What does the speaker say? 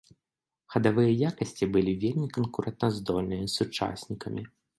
Хадавыя якасці былі вельмі канкурэнтаздольнымі з сучаснікамі.